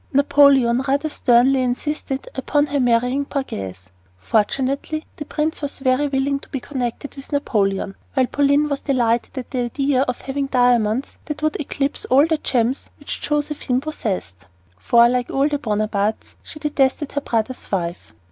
Napoleon rather sternly insisted upon her marrying Borghese. Fortunately, the prince was very willing to be connected with Napoleon; while Pauline was delighted at the idea of having diamonds that would eclipse all the gems which Josephine possessed; for, like all of the Bonapartes, she detested her brother's wife.